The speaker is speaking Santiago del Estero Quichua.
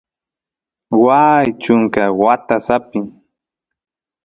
waay chunka watas apin